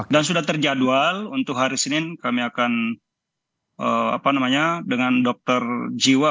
dan sudah terjadwal untuk hari senin kami akan dengan dokter jiwa